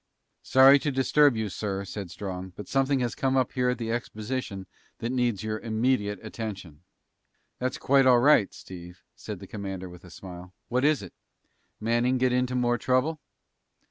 "Sorry to disturb you, sir," said Strong, "but something has come up here at the exposition that needs your immediate attention." "That's quite all right, Steve," said the commander with a smile. "What is it? Manning get into more trouble?"